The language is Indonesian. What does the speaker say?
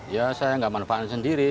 ya saya nggak manfaatin sendiri